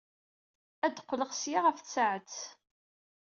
Ad d-qqleɣ seg-a ɣef tsaɛet.